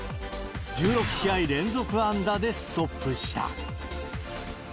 １６試合連続安打でストップした。